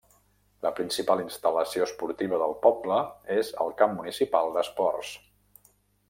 La principal instal·lació esportiva del poble és el Camp Municipal d'Esports.